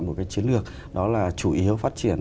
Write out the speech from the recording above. một cái chiến lược đó là chủ yếu phát triển